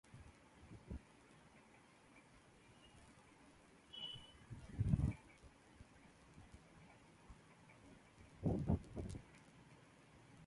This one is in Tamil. மொழிகளினின்றெல்லாம் கடன் கொண்டுள்ளதாயும்